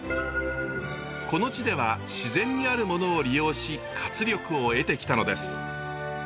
この地では自然にあるものを利用し活力を得てきたのです。